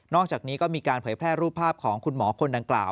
อกจากนี้ก็มีการเผยแพร่รูปภาพของคุณหมอคนดังกล่าว